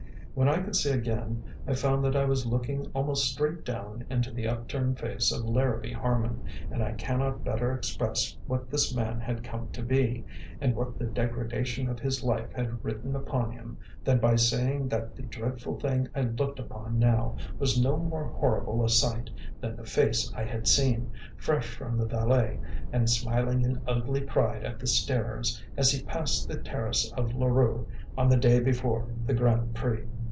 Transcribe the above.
When I could see again, I found that I was looking almost straight down into the upturned face of Larrabee Harman, and I cannot better express what this man had come to be, and what the degradation of his life had written upon him, than by saying that the dreadful thing I looked upon now was no more horrible a sight than the face I had seen, fresh from the valet and smiling in ugly pride at the starers, as he passed the terrace of Larue on the day before the Grand Prix.